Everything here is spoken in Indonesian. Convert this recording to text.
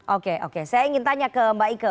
oke oke saya ingin tanya ke mbak ike